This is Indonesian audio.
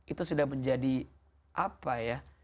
itu sudah menjadi apa ya